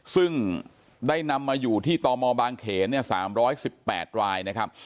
ซึ่งได้นำมาอยู่ที่ตมบางเขน๓๑๘รายนะครับ